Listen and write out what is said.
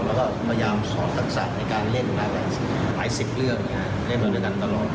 แล้วก็พยายามสอนศักดิ์ศักดิ์ในการเล่นหลายเรื่องได้มาด้วยกันตลอด